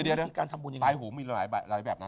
เดี๋ยวตายหูงมีหลายแบบนะ